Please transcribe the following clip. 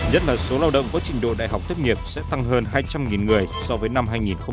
nhất là số lao động có trình độ đại học tốt nghiệp sẽ tăng hơn hai trăm linh người so với năm hai nghìn một mươi tám